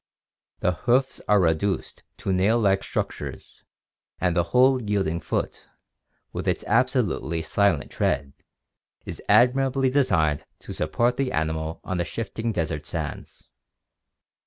The hoofs are reduced to nail like structures and the whole yielding foot, with its absolutely silent tread, is admirably designed to support the animal on the shifting desert sands.